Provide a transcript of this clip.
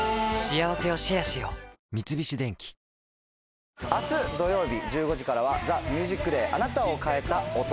三菱電機明日土曜日１５時からは『ＴＨＥＭＵＳＩＣＤＡＹあなたを変えた音』。